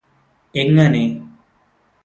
എങ്ങനെ